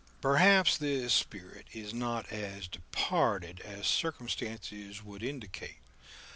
Perhaps this spirit is not as departed as circumstances would indicate.